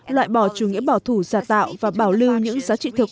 loại bỏ chủ nghĩa bảo thủ giả tạo và bảo lưu những giá trị thực